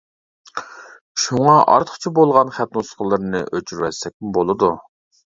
شۇڭا ئارتۇقچە بولغان خەت نۇسخىلىرىنى ئۆچۈرۈۋەتسەكمۇ بولىدۇ.